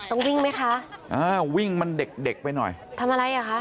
ต้องวิ่งไหมคะอ่าวิ่งมันเด็กเด็กไปหน่อยทำอะไรอ่ะคะ